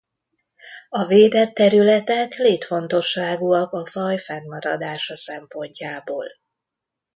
A védett területek létfontosságúak a faj fennmaradása szempontjából.